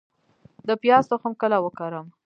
د پیاز تخم کله وکرم؟